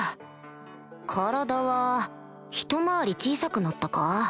体はひと回り小さくなったか？